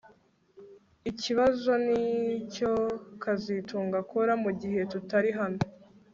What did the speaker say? Ikibazo nicyo kazitunga akora mugihe tutari hano